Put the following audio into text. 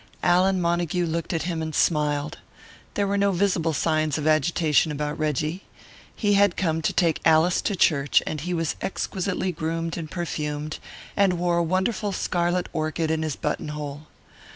Allan Montague looked at him and smiled. There were no visible signs of agitation about Reggie. He had come to take Alice to church, and he was exquisitely groomed and perfumed, and wore a wonderful scarlet orchid in his buttonhole.